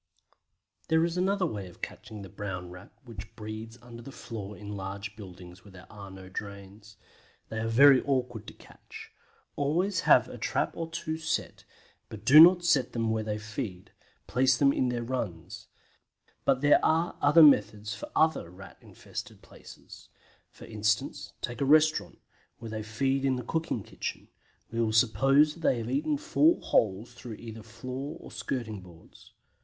There is another way of catching the Brown Rat which breeds under the floor in large buildings where there are no drains. They are very awkward to catch. Always have a trap or two set, but do not set them where they feed; place them in their runs. But there are other methods for other Rat infested places. For instance, take a restaurant, where they feed in the cooking kitchen; we will suppose they have eaten four holes through either floor or skirting boards.